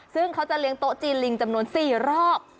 ซึ่งเขาจะเลี้ยงโต๊ะจีนลิงจำนวน๔รอบ